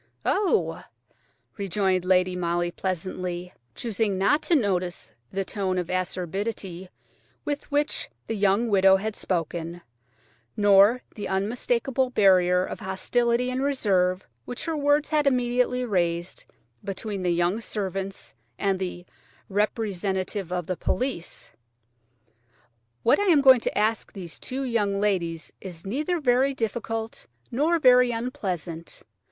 "Oh!" rejoined Lady Molly pleasantly–choosing not to notice the tone of acerbity with which the young widow had spoken, nor the unmistakable barrier of hostility and reserve which her words had immediately raised between the young servants and the "representative of the police"–"what I am going to ask these two young ladies is neither very difficult nor very unpleasant.